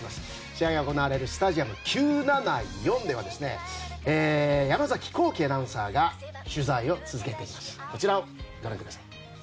試合が行われるスタジアム９７４では山崎弘喜アナウンサーが取材を続けています。